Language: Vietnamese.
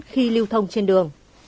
khi lưu thông trên đường